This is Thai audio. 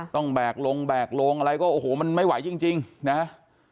แบกลงแบกลงอะไรก็โอ้โหมันไม่ไหวจริงนะ